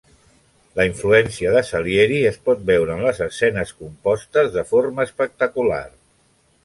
La influència de Salieri es pot veure en les escenes compostes de forma espectacular.